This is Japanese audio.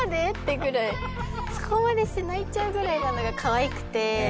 そこまでして泣いちゃうぐらいなのがかわいくて。